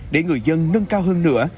để người dân nâng cao hơn nữa